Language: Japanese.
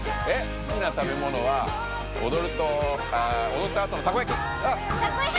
好きな食べ物はおどるとあおどったあとのたこやき！